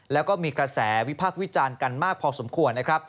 แล้วก็มีกระแสวิภาควิจารณ์กันมากพอสมควร